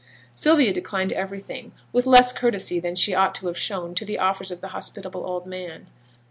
Sylvia declined everything, with less courtesy than she ought to have shown to the offers of the hospitable old man.